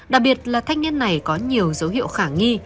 đặc biệt là thanh niên này có nhiều dấu hiệu khả nghi